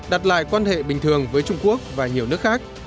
đặt lại quan hệ bình thường với trung quốc và nhiều nước khác